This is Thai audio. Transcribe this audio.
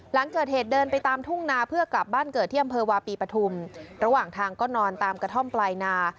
หลังเกิดเหตุเดินไปตามทุ่งนาเพื่อกลับบ้านเกิดที่อำเภอวาปีปฐุมระหว่างทางก็นอนตามกระท่อมปลายนา